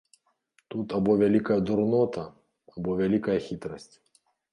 Тут або вялікая дурнота, або вялікая хітрасць.